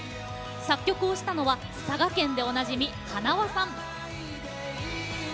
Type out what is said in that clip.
作曲をしたのは「佐賀県」でおなじみはなわさん。